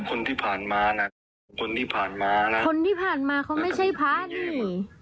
คนที่ผ่านมาน่ะคนที่ผ่านมานะคนที่ผ่านมาเขาไม่ใช่พระนี่